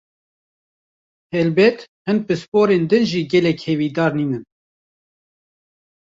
Helbet, hin pisporên din jî gelek hêvîdar nînin.